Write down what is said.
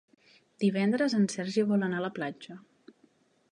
Divendres en Sergi vol anar a la platja.